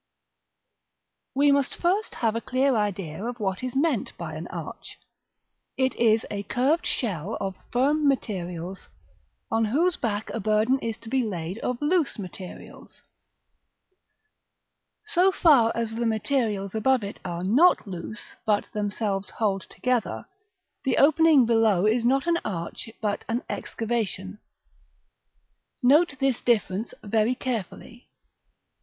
We must first have a clear idea of what is meant by an arch. It is a curved shell of firm materials, on whose back a burden is to be laid of loose materials. So far as the materials above it are not loose, but themselves hold together, the opening below is not an arch, but an excavation. Note this difference very carefully.